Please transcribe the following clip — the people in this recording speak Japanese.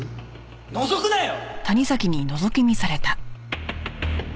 のぞくなよ！